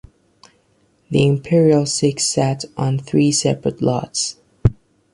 The Imperial Six sat on three separate lots.